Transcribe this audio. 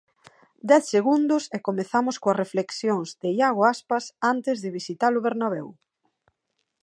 Dez segundos e comezamos coas reflexións de Iago Aspas antes de visitar o Bernabéu.